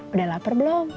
udah lapar belum